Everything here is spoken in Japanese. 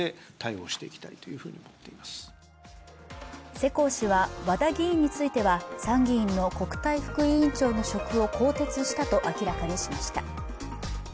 世耕氏は和田議員については参議院の国対副委員長の職を更迭したと明らかにしました。